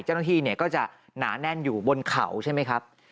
เจ้าหน้าที่เนี่ยก็จะหนาแน่นอยู่บนเขาใช่ไหมครับ